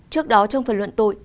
trước đó trong phần luận tội